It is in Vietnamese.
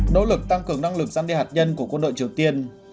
nỗ lực tăng cường năng lực giam đề hạt nhân của quân đội triều tiên